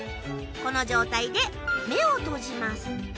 この状態で目を閉じます。